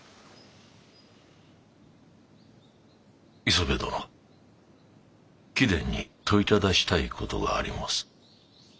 磯部殿貴殿に問いただしたい事があり申す。